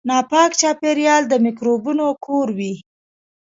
ناپاک چاپیریال د میکروبونو کور وي.